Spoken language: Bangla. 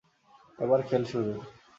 এবার খেল শুরু।